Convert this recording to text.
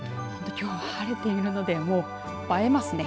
きょうは晴れているので映えますね。